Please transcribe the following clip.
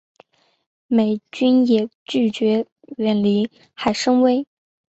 美军也拒绝远离海参崴。